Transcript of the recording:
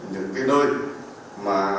những cái nơi mà